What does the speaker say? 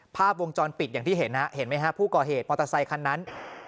ภาพวงจรปิดอย่างที่เห็นฮะเห็นไหมฮะผู้ก่อเหตุมอเตอร์ไซคันนั้น